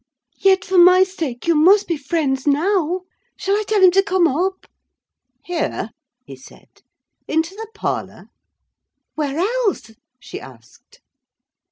"Yet, for my sake, you must be friends now. Shall I tell him to come up?" "Here," he said, "into the parlour?" "Where else?" she asked.